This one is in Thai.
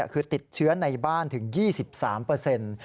คือติดเชื้อในบ้านถึง๒๓เปอร์เซ็นต์